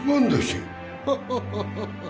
ハハハハハ！